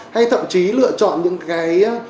hay thậm chí lựa chọn những cái